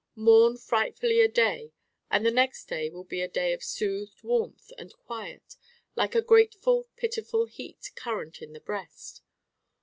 Mourn frightfully a day and the next day will be a day of soothed warmth and quiet like a grateful pitiful heat current in the breast.